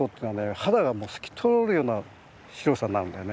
肌がもう透き通るような白さになるんだよね。